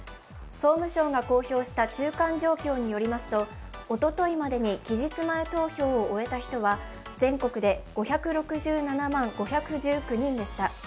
総務省が公表した中間状況によりますとおとといまでに期日前投票を終えた人は全国で５６７万５１９人でした。